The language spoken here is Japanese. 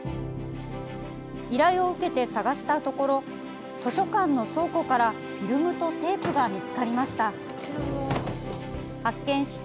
依頼を受けて捜したところ図書館の倉庫からフィルムとテープが見つかりました。